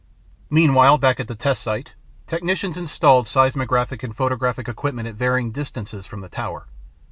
Meanwhile back at the test site, technicians installed seismographic and photographic equipment at varying distances from the tower.